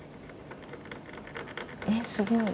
えすごい。